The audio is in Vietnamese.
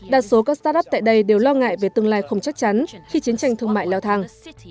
đa số các start up tại đây đều lo ngại về tương lai không chắc chắn khi chiến tranh thương mại leo thang